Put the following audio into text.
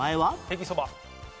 へぎそば。